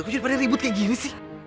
aku pikir pada ribut kayak gini sih